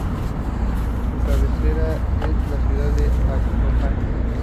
Su cabecera es la ciudad de Actopan.